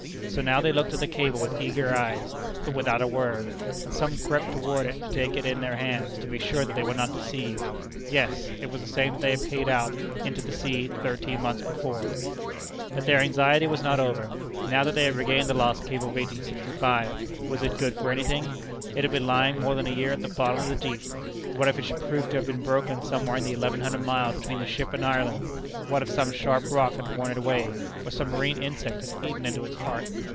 So now they looked at the cable with eager eyes, but without a word, and some crept toward it to take it in their hands, to be sure that they were not deceived. Yes it was the same that they paid out into the sea thirteen months before! But their anxiety was not over. Now that they had regained the lost cable of 1865, was it good for any thing? It had been lying more than a year at the bottom of the deep. What if it should prove to have been broken somewhere in the eleven hundred miles between the ship and Ireland? What if some sharp rock had worn it away, or some marine insect had eaten into its heart?